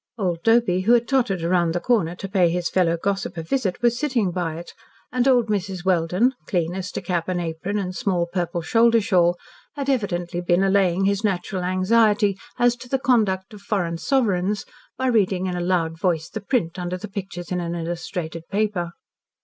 Old Doby, who had tottered round the corner to pay his fellow gossip a visit, was sitting by it, and old Mrs. Welden, clean as to cap and apron and small purple shoulder shawl, had evidently been allaying his natural anxiety as to the conduct of foreign sovereigns by reading in a loud voice the "print" under the pictures in an illustrated paper.